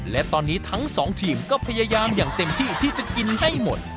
และตอนนี้ทั้งสองทีมก็พยายามอย่างเต็มที่ที่จะกินให้หมด